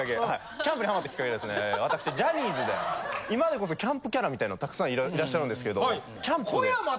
キャンプにハマったキッカケわたくしジャニーズで今でこそキャンプキャラみたいのたくさんいらっしゃるんですけど。